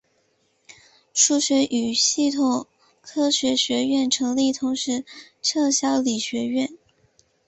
数学与系统科学学院成立同时撤销理学院。